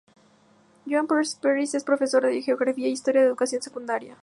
Joan Francesc Peris es profesor de Geografía y Historia de Educación Secundaria.